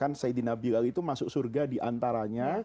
kan sayyidina bilal itu masuk surga diantaranya